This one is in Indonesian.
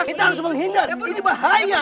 kita harus menghindar ini bahaya